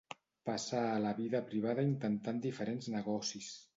Passà a la vida privada intentant diferents negocis.